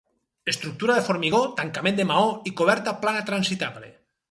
Estructura de formigó, tancament de maó i coberta plana transitable.